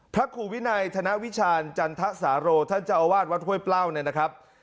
พระครูวินัยธนวิชาณจันทสาโรท่านเจ้าอาวาสวัดห้วยเปล้าเนี่ยนะครับ